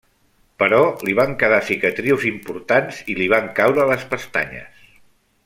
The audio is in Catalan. Però li van quedar cicatrius importants, i li van caure les pestanyes.